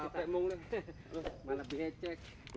saya capek sekali